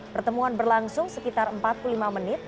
pertemuan berlangsung sekitar empat puluh lima menit